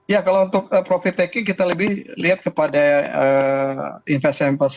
ya kalau untuk profit taking kita lebih lihat kepada investor yang berhasil membuat investasi